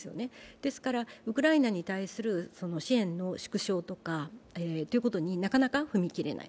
ですからウクライナに対する支援の縮小になかなか踏み切れない。